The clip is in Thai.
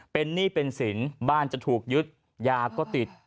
เป็นหนี้เป็นสินบ้านจะถูกยึดยาก็ติด